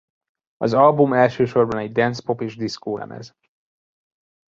Az album elsősorban egy dance-pop és diszkó lemez.